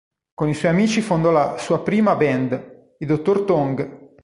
Con i suoi amici fondò la sua prima band, i Dr. Tongue.